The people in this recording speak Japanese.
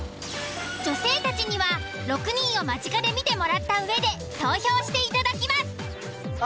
女性たちには６人を間近で見てもらったうえで投票していただきます。